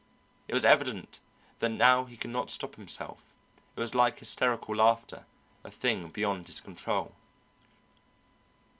It was evident that now he could not stop himself; it was like hysterical laughter, a thing beyond his control.